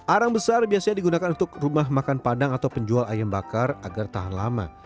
arang besar biasanya digunakan untuk rumah makan padang atau penjual ayam bakar agar tahan lama